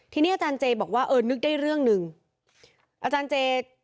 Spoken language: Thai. ทีนี้อาจารย์เจบอกว่าเออนึกได้เรื่องหนึ่งอาจารย์เจ